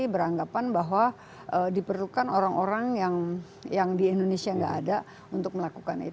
beranggapan bahwa diperlukan orang orang yang di indonesia tidak ada untuk melakukan itu